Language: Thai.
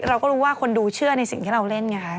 เราก็รู้ว่าคนดูเชื่อในสิ่งที่เราเล่นไงคะ